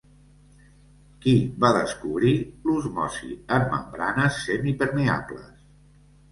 Qui va descobrir l'osmosi en membranes semipermeables?